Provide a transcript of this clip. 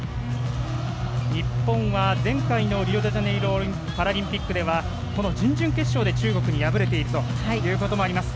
日本は前回のリオデジャネイロパラリンピックではこの準々決勝で中国に敗れているということもあります。